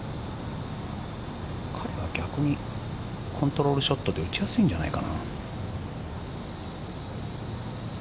逆にコントロールショットで打ちやすいんじゃないかな。